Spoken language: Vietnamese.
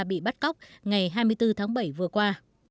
bị bắt cóc ngày hai mươi bốn tháng bảy vừa qua